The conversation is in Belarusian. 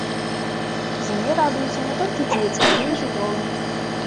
Зіме радуюцца не толькі дзеці, але і жывёлы.